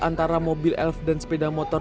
antara mobil elf dan sepeda motor